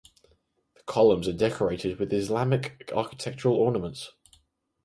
The columns are decorated with Islamic architectural ornaments.